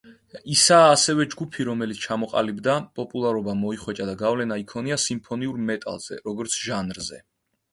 ისაა ასევე ჯგუფი, რომელიც ჩამოყალიბდა, პოპულარობა მოიხვეჭა და გავლენა იქონია სიმფონიურ მეტალზე, როგორც ჟანრზე.